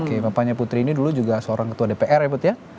oke bapaknya putri ini dulu juga seorang ketua dpr ya put ya